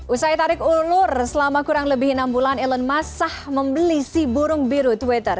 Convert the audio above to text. usai tarik ulur selama kurang lebih enam bulan elon musk sah membeli si burung biru twitter